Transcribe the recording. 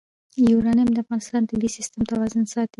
یورانیم د افغانستان د طبعي سیسټم توازن ساتي.